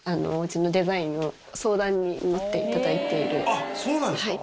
あっそうなんですか！